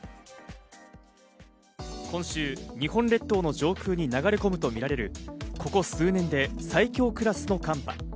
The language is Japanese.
今週、日本列島の上空に流れ込むとみられるここ数年で最強クラスの寒波。